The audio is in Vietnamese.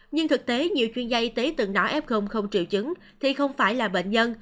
nhưng thực tế nhiều chuyên gia y tế từng nói f không triệu chứng thì không phải là bệnh nhân